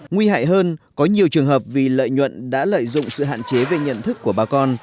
nguy hại hơn có nhiều trường hợp vì lợi nhuận đã lợi dụng sự hạn chế về nhận thức của bà con